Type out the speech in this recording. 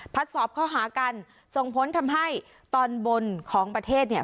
สอบเข้าหากันส่งผลทำให้ตอนบนของประเทศเนี่ย